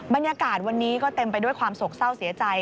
บรรยากาศวันนี้ก็เต็มไปด้วยความโศกเศร้าเสียใจ